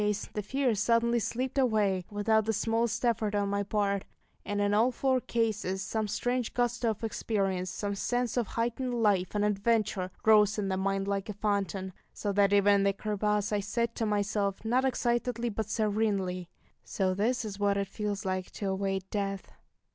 Yet in that last case the fear suddenly slipped away, without the smallest effort on my part; and in all four cases some strange gusto of experience, some sense of heightened life and adventure, rose in the mind like a fountain so that even in the crevasse I said to myself, not excitedly but serenely, "So this is what it feels like to await death!"